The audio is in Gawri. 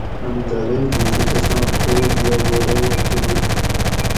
ان درئی جُوکی تساۤں کھوٹ گھی اۤ بورئی وا تلو